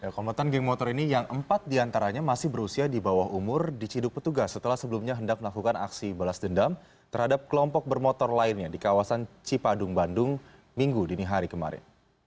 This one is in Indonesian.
kompetensi geng motor ini yang empat diantaranya masih berusia di bawah umur diciduk petugas setelah sebelumnya hendak melakukan aksi balas dendam terhadap kelompok bermotor lainnya di kawasan cipadung bandung minggu dini hari kemarin